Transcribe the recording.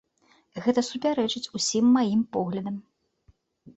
Гэта супярэчыць усім маім поглядам.